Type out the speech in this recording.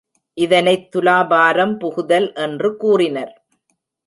இதனைத் துலாபாரம் புகுதல் என்று கூறினர்.